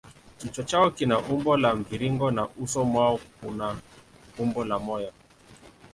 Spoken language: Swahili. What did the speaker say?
Kichwa chao kina umbo la mviringo na uso mwao una umbo la moyo.